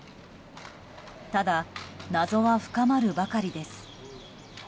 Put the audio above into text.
ただ、謎は深まるばかりです。